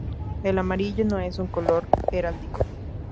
El amarillo no es un color heráldico.